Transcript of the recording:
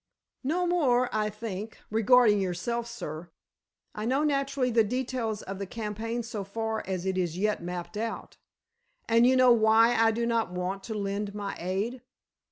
"No more, I think, regarding yourself, sir. I know, naturally, the details of the campaign so far as it is yet mapped out." "And you know why I do not want to lend my aid?"